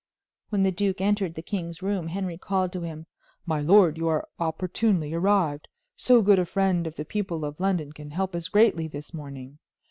When the duke entered the king's room Henry called to him: "My Lord, you are opportunely arrived. So good a friend of the people of London can help us greatly this morning.